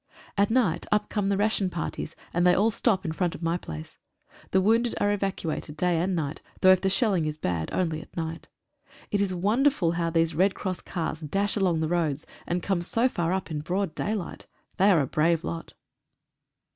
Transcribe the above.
At night up come the ration parties, and they all stop in front of my place. The wounded are evacuated day and night, though if the shelling is bad, only at night. It is wonderful how these Red Cross cars dash along the roads, and come so far up in broad daylight. They are a brave lot.